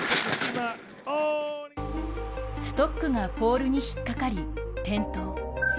ストックがポールに引っかかり転倒。